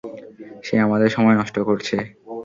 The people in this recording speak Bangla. সে আমাদের সময় নষ্ট করছে।